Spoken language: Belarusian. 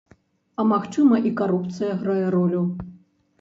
А магчыма, і карупцыя грае ролю.